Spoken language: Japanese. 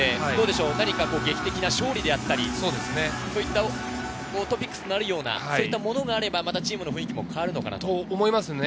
何か劇的な勝利であったり、そういったトピックスのあるようなものがあれば、チームの雰囲気も変わるのかなと思います。